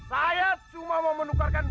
saya cuma mau menukarkan